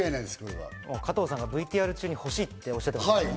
加藤さんがＶＴＲ中にほしいとおっしゃってましたね。